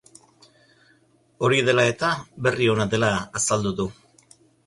Hori dela eta, berri ona dela azaldu du.